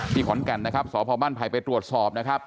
ที่ขอนแก่นนะครับสพภัยไปตรวจสอบนะครับ